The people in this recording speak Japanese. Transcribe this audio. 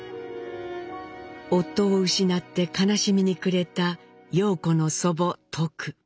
夫を失って悲しみに暮れた陽子の祖母トク。